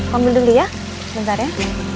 kamu beli dulu ya sebentar ya